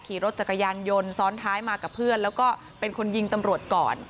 ขี่รถจักรยานยนต์ซ้อนท้ายมากับเพื่อนแล้วก็เป็นคนยิงตำรวจก่อน